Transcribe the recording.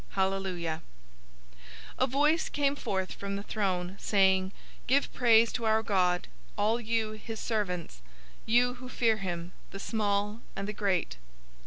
Hallelujah!" 019:005 A voice came forth from the throne, saying, "Give praise to our God, all you his servants, you who fear him, the small and the great!"